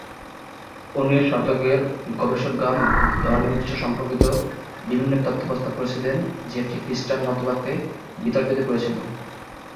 উনিশ শতকের গবেষকগণ ধর্মের উৎস সম্পর্কিত বিভিন্ন তত্ত্ব প্রস্তাব করেছিলেন, যেটি খ্রিস্টান মতবাদকে বিতর্কিত করেছিলো।